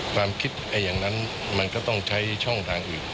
ความคิดอย่างนั้นมันก็ต้องใช้ช่องทางอื่น